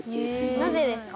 なぜですか？